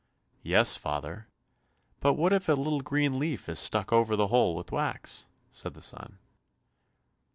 "Yes, father, but what if a little green leaf is stuck over the hole with wax?" said the son.